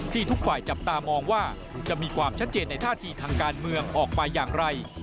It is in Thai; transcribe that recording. ทุกฝ่ายจับตามองว่าจะมีความชัดเจนในท่าทีทางการเมืองออกมาอย่างไร